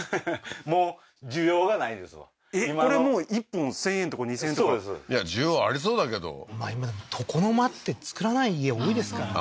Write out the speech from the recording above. ははははっえっこれもう１本１０００円とか２０００円とかいや需要ありそうだけど今でも床の間って造らない家多いですからね